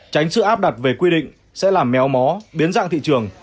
tránh sự áp đặt về quy định sẽ làm méo mó biến dạng thị trường